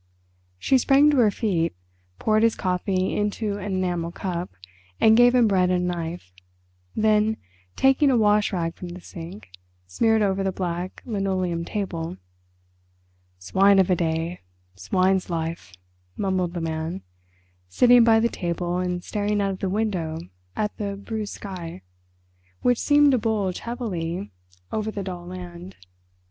She sprang to her feet, poured his coffee into an enamel cup, and gave him bread and a knife, then, taking a wash rag from the sink, smeared over the black linoleumed table. "Swine of a day—swine's life," mumbled the Man, sitting by the table and staring out of the window at the bruised sky, which seemed to bulge heavily over the dull land.